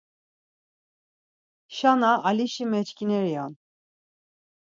Şana Alişi meçkineri on.